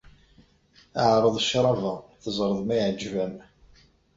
Ɛreḍ ccrab-a, teẓreḍ ma iɛǧeb-am.